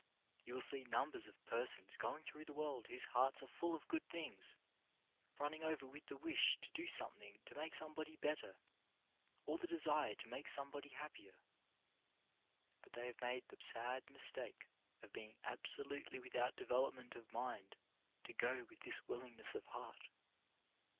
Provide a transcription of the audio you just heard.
You will see numbers of persons going through the world whose hearts are full of good things — running over with the wish to do some thing to make somebody better, or the desire to make somebody happier — but they have made the sad mistake of being absolutely without de velopment of mind to go with this willingness of heart.